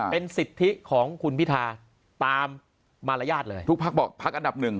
เป็นสิทธิของคุณพิธาตามมารยาทเลยทุกพักบอกพักอันดับหนึ่ง